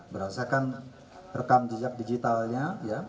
berdasarkan rekam jejak digitalnya